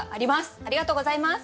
ありがとうございます！